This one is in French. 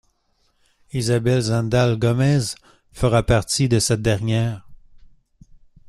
Isabel Zendal Gómez fera partie de cette dernière.